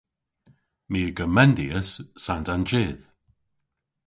My a gomendyas sand an jydh.